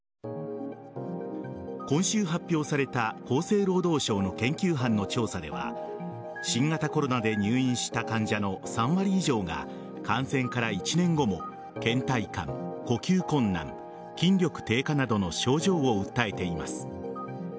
今週発表された厚生労働省の研究班の調査では新型コロナで入院した患者の３割以上が感染から１年後も倦怠感、呼吸困難筋力低下などの症状を訴えています。